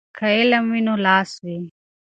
که علم وي نو لاس وي.